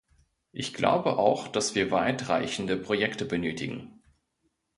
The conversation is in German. Ich glaube auch, dass wir weit reichende Projekte benötigen.